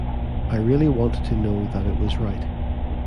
I really wanted to know that it was right.